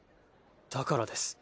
だからです。